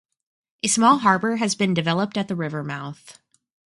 A small harbour has been developed at the river mouth.